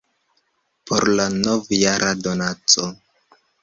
por la nov-jara donaco